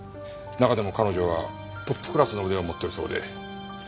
なかでも彼女はトップクラスの腕を持ってるそうで。